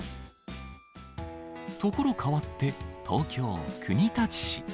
所変わって、東京・国立市。